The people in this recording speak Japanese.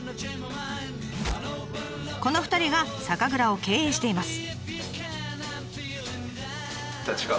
この２人が酒蔵を経営しています。